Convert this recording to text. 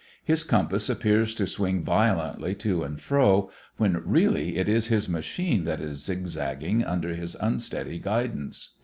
His compass appears to swing violently to and fro, when really it is his machine that is zig zagging under his unsteady guidance.